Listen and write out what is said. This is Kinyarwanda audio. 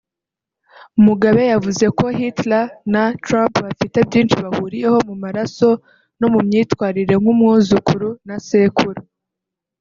Mugabe yavuze ko Hitler na Trump bafite byinshi bahuriyeho mu maraso no mu myitwarire nk’umwuzukuru na sekuru